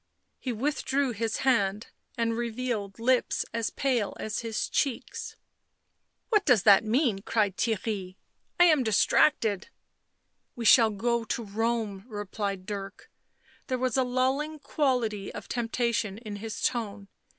He withdrew his hand and revealed lips as pale as his cheeks. " What does that mean ?" cried Theirry. 11 I am distracted." " We shall go to Rome," replied Dirk; there was a lulling quality of temptation in his tone.